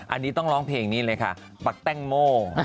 อันนี้ต้องร้องเพลงนี้เลยค่ะปักแต้งโม